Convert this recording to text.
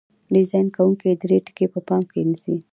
ډیزاین کوونکي درې ټکي په پام کې نیسي.